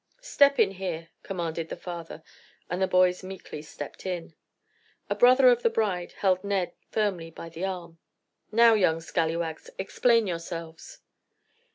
"Step in here!" commanded the father, and the boys meekly stepped in. A brother of the bride held Ned firmly by the arm. "Now, young scallywags, explain yourselves!"